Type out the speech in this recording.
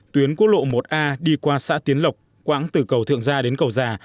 tuyến quốc lộ một a đi qua xã tiến lộc quãng từ cầu thượng gia đến cầu già